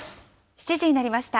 ７時になりました。